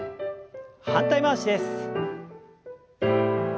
反対回しです。